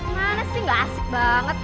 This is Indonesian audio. mana sih gak asik banget